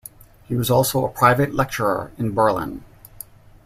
He was also a private lecturer in Berlin.